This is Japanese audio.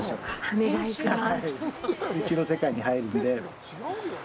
お願いします。